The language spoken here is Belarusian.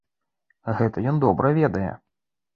Гэта ён добра ведае.